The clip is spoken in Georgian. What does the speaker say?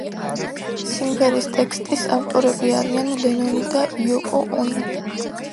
სიმღერის ტექსტის ავტორები არიან ლენონი და იოკო ონო.